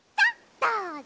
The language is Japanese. どうぞ。